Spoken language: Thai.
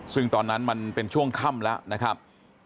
ซึ่งตอนนั้นเป็นช่วงขับแล้วนะครับ